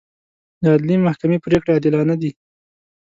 د عدلي محکمې پرېکړې عادلانه دي.